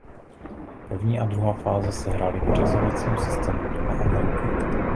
První a druhá fáze se hrály vyřazovacím systémem doma a venku.